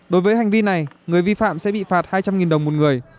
đối với hành vi này người vi phạm sẽ bị phạt hai trăm linh đồng một người